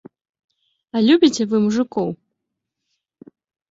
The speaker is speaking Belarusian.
— А любіце вы мужыкоў?